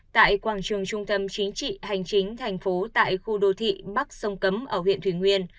tại quảng trường trung tâm chính trị hành chính thành phố tại khu đô thị bắc sông cấm ở huyện thủy nguyên